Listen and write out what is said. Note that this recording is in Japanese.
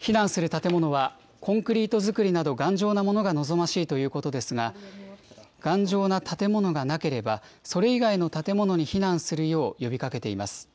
避難する建物は、コンクリート造りなど頑丈なものが望ましいということですが、頑丈な建物がなければ、それ以外の建物に避難するよう呼びかけています。